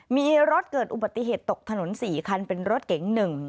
มีรถเกิดอุบัติเหตุตกถนน๔คันเป็นรถเก๋ง๑